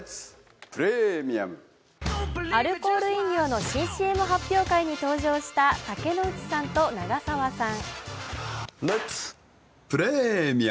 アルコール飲料の新ＣＭ発表会に登場した竹野内さんと長澤さん。